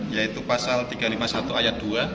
yaitu pasal tiga ratus lima puluh satu ayat dua